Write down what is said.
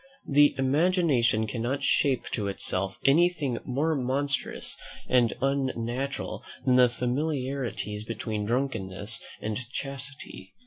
The imagination cannot shape to itself anything more monstrous and unnatural than the familiarities between drunkenness and chastity.